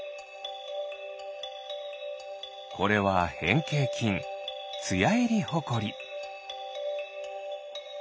これはへんけいきんツヤエリホコリ。